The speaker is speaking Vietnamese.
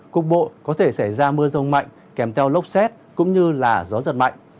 cục bộ có thể xảy ra mưa rông mạnh kèm theo lốc xét cũng như gió giật mạnh